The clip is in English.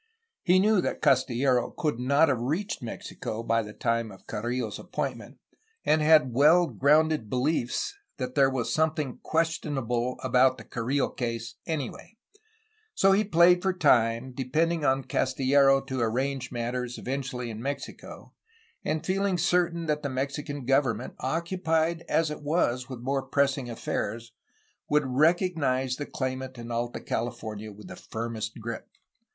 He knew that Castillero could not have reached Mexico by the time of Carrillo's appointment, and had well grounded beUefs that there was something questionable about the Carrillo case, anyway. So he played for time, depending WAITING FOR OLD GLORY, 1835 1847 477 upon Castillero to arrange matters eventually in Mexico, and feeling certain that the Mexican government, occupied as it was with more pressing affairs, would recognize the claimant in Alta California with the firmest grip.